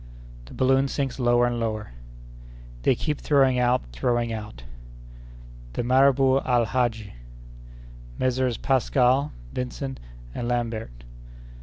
—The Balloon sinks lower and lower.—They keep throwing out, throwing out.—The Marabout Al Hadji.—Messrs. Pascal, Vincent, and Lambert.